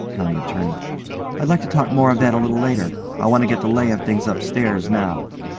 COUNTY ATTORNEY: I'd like to talk more of that a little later. I want to get the lay of things upstairs now.